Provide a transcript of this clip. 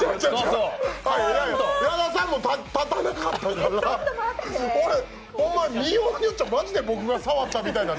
矢田さんも立たなかったから、見ようによっちゃマジで僕が触ったみたい。